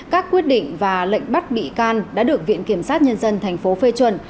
các quyết định và lệnh bắt bị can đã được viện kiểm sát nhân dân tp phê chuẩn